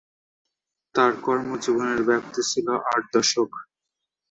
তার কর্মজীবনের ব্যাপ্তি ছিল আট দশক।